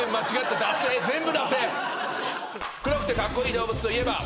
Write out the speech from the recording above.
黒くてカッコイイ動物といえば？